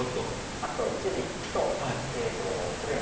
あとイチジクとプルーン。